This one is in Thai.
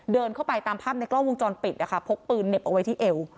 เดินเข้าไปตามภาพในกล้องวงจรปิดนะคะพกปืนเหน็บเอาไว้ที่เอว